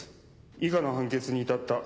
以下の判決に至った理由を。